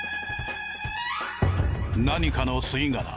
何かの吸い殻